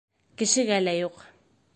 Кешегә лә юҡ.